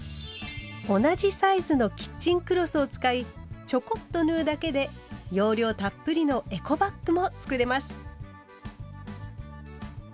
同じサイズのキッチンクロスを使いちょこっと縫うだけで容量たっぷりの「エコバッグ」も作れます。